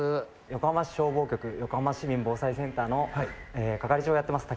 横浜市消防局横浜市民防災センターの係長をやっています